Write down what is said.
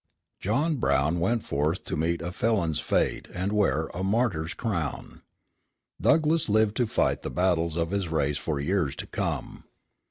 John Brown went forth to meet a felon's fate and wear a martyr's crown: Douglass lived to fight the battles of his race for years to come.